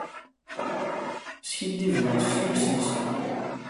Skiddiben-as s yiles-nsen.